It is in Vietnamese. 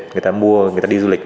người ta đi du lịch